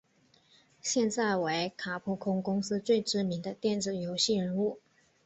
现在为卡普空公司最知名的电子游戏人物。